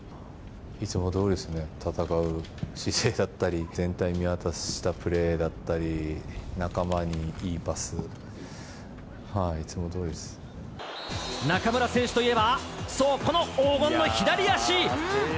いつもどおりですね、戦う姿勢だったり、全体を見渡したプレーだったり、仲間にいいパス、いつもどおりで中村選手といえば、そう、この黄金の左足。